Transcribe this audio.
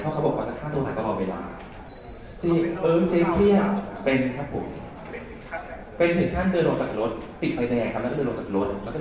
เพราะเขาบอกว่าจะท่าตัวหลังตลอดเวลา